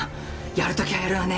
やる時はやるわね。